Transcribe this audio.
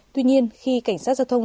tuy nhiên khi cảnh sát giao thông